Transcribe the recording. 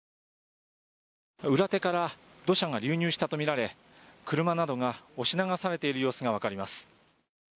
裏手から土砂が流入したとみられ車などが押し流されている様子がわかります。